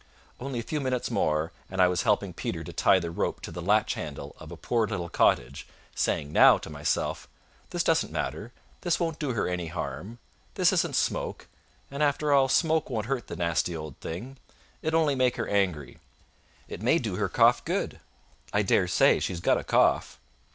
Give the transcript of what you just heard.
Only a few minutes more, and I was helping Peter to tie the rope to the latch handle of a poor little cottage, saying now to myself, "This doesn't matter. This won't do her any harm. This isn't smoke. And after all, smoke won't hurt the nasty old thing. It'll only make her angry. It may do her cough good: I dare say she's got a cough."